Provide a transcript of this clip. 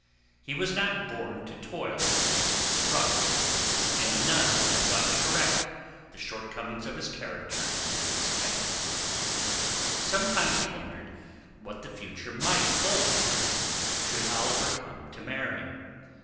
He was not born to toil and struggle, and none had sought to correct the shortcomings of his character in that respect. Sometimes he wondered what the future might hold for him should Oliver come to marry.